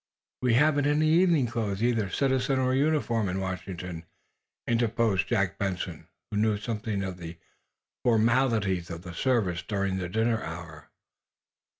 "We haven't any evening clothes, either citizen or uniform, in Washington," interposed Jack Benson, who knew something of the formalities of the service during the dinner hour.